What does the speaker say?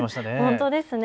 本当ですね。